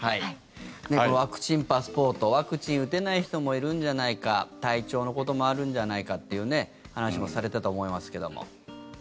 柳澤さんワクチンパスポートワクチン打てない人もいるんじゃないか体調のこともあるんじゃないかという話もされたと思いますけども。